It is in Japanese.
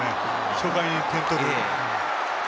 初回に点を取るの。